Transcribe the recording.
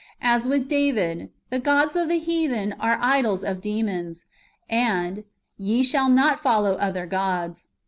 As with David :" The gods of the heathen are idols of demons;"^ and, "Ye shall not follow other gods."